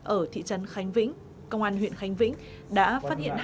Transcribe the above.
ở thị trấn khánh vĩnh công an huyện khánh vĩnh đã phát hiện